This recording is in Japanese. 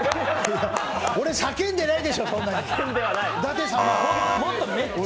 俺、叫んでないでしょ、そんなに。